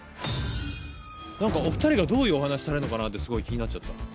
なんかお二人がどういうお話されるのかなってすごい気になっちゃった。